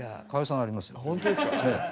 本当ですか？